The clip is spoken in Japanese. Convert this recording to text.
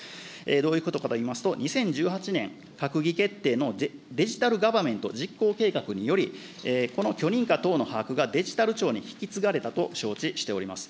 どういうことかといいますと、２０１８年閣議決定のデジタルガバメント実行計画により、この許認可等の把握がデジタル庁に引き継がれたと承知しております。